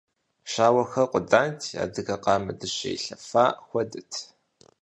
Щауэхэр къуданти, адыгэ къамэ дыщэ илъэфа хуэдэт.